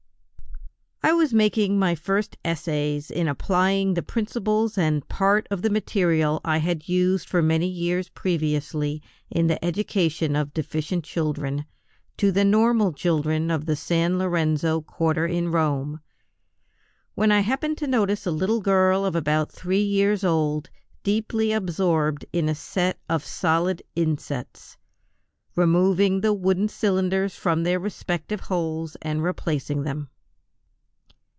I was making my first essays in applying the principles and part of the material I had used for many years previously in the education of deficient children, to the normal children of the San Lorenzo quarter in Rome, when I happened to notice a little girl of about three years old deeply absorbed in a set of solid insets, removing the wooden cylinders from their respective holes and replacing them.